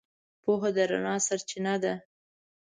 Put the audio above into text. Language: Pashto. پوهه د رڼا سرچینه ده.